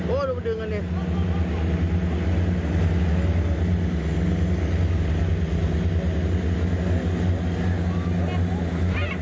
โอ้ดูดึงอันนี้